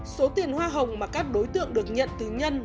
số tiền hoa hồng mà các đối tượng được nhận từ nhân